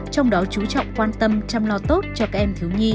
trong đó chú trọng quan tâm chăm lo tốt cho các em thiếu nhi